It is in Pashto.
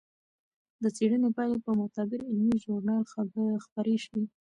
د څېړنې پایلې په معتبر علمي ژورنال خپرې شوې.